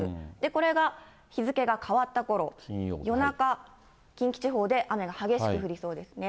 これが日付が変わったころ、夜中、近畿地方で雨が激しく降りそうですね。